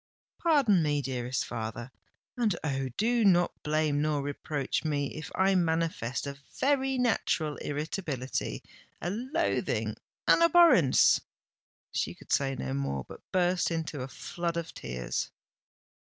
"Pardon me, dearest father—and, oh! do not blame nor reproach me if I manifest a very natural irritability—a loathing—an abhorrence——" She could say no more, but burst into a flood of tears.